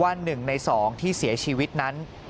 ๑ใน๒ที่เสียชีวิตนั้น